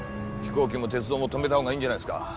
飛行機も鉄道も止めた方がいいんじゃないですか？